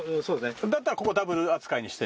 だったらここダブル扱いにして。